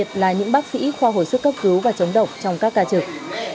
tại kho hồi sức cấp cứu và chống động trong các ca trực